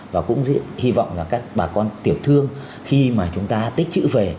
và cũng hy vọng là các bà con tiểu thương khi mà chúng ta tích chữ về